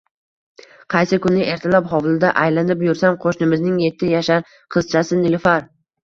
Qaysi kuni ertalab hovlida aylanib yursam, qo'shnimizning yetti yashar qizchasi Nilufar